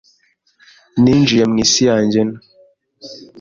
Ninjiye mu isi yanjye nto